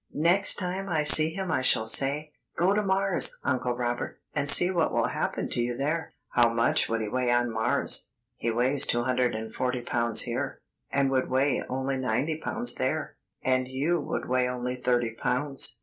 Next time I see him I shall say: 'Go to Mars, Uncle Robert, and see what will happen to you there.' How much would he weigh on Mars?" "He weighs two hundred and forty pounds here, and would weigh only ninety pounds there, and you would weigh only thirty pounds.